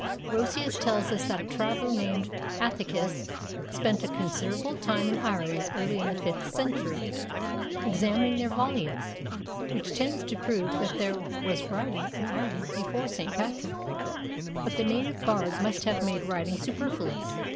Orosius tells us that a traveler named Aethicus spent a considerable time in Ireland early in the fifth century "examining their volumes", which tends to prove that there was writing in Ireland before St. Patrick. But the native bard must have made writing superfluous.